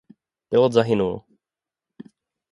Pilot zahynul.